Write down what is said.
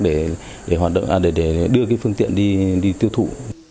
để đưa phương tiện đi tiêu thụ